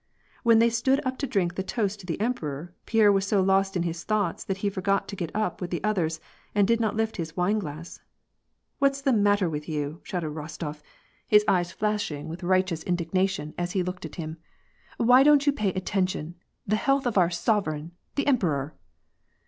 When they stood up to drink the toast to the emperor, Pierre was so' lost in his thoughts, that he forgot to get up with the others, and did not lift his wineglass. " What's the matter with you ?" shouted Kostof, his eyes * YaiMhchiki driver or postilion. 22 WAR Attn PEACE. flashing with righteous indignation, as he looked at him, " Why don't you pay attention : the health of our sovereign, the emperor